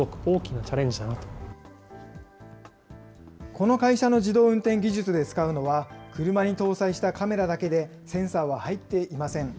この会社の自動運転技術で使うのは、車に搭載したカメラだけでセンサーは入っていません。